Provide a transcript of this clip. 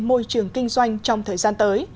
môi trường kinh doanh trong thời gian tới